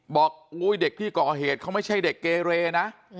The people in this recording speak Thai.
อุ๊ยเด็กที่ก่อเหตุเขาไม่ใช่เด็กเกเรนะ